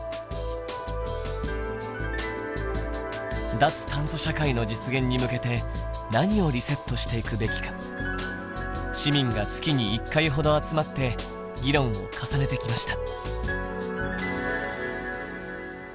脱炭素社会の実現に向けて何をリセットしていくべきか市民が月に１回ほど集まって議論を重ねてきました。